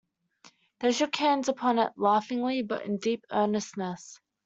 They shook hands upon it laughingly, but in deep earnestness.